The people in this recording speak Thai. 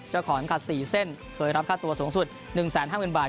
เจ้าของเข็มขัดสี่เส้นเคยรับค่าตัวสูงสุดหนึ่งแสนห้าหมื่นบาท